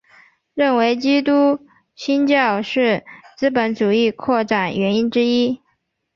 认为基督新教是资本主义扩展原因之一。